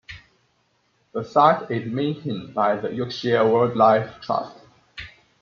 The site is maintained by the Yorkshire Wildlife Trust.